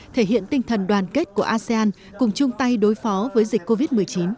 thể hiện tinh thần đoàn kết của asean cùng chung tay đối phó với dịch covid một mươi chín